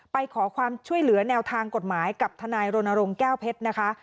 ไปขอความช่วยเหลือแนวทางกฎหมายกับทนายรณรงค์แก้วเพชรนะคะ